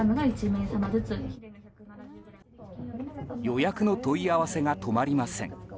予約の問い合わせが止まりません。